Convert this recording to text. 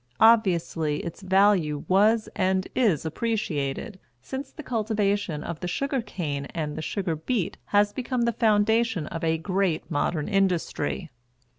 Obviously, its value was and is appreciated, since the cultivation of the sugar cane and the sugar beet has become the foundation of a great modern industry.